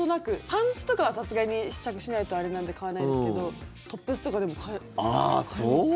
パンツとかはさすがに試着しないとあれなんで買わないですけどトップスとかはでも、買います。